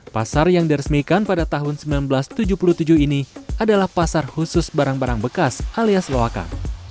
pasar yang diresmikan pada tahun seribu sembilan ratus tujuh puluh tujuh ini adalah pasar khusus barang barang bekas alias loaka